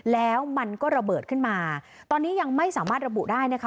แล้วมันก็ระเบิดขึ้นมาตอนนี้ยังไม่สามารถระบุได้นะคะ